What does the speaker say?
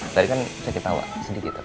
tadi kan sedikit ketawa sedikit tapi